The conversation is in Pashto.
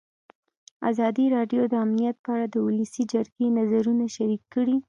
ازادي راډیو د امنیت په اړه د ولسي جرګې نظرونه شریک کړي.